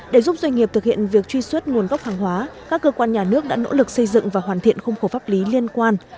để giúp doanh nghiệp thực hiện việc truy xuất nguồn gốc hàng hóa các cơ quan nhà nước đã nỗ lực xây dựng và hoàn thiện khung khổ pháp lý liên quan